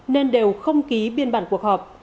nên đều không ký biên bản cuộc họp